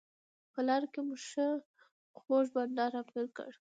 په لاره کې مو ښه خوږ بانډار راپیل کړ.